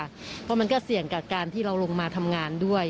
เพราะมันก็เสี่ยงกับการที่เราลงมาทำงานด้วย